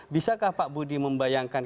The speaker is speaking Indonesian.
bisakah pak budi membayangkan